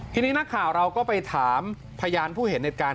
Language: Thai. ทีนี้นักข่าวเราก็ไปถามพยานผู้เห็นเหตุการณ์